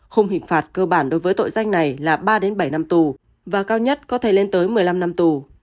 khung hình phạt cơ bản đối với tội danh này là ba bảy năm tù và cao nhất có thể lên tới một mươi năm năm tù